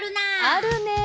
あるねえ。